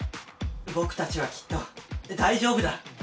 僕たちはきっと大丈夫だ。